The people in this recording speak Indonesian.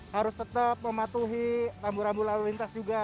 harus tetap mematuhi rambu rambu lalu lintas juga